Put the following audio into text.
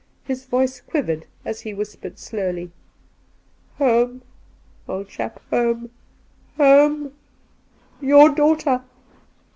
His voice quivered as he whispered slowly :• Home — old chap — home — home — your daughter.